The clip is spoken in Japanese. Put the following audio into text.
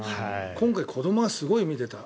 今回、子どもはすごい見ていた。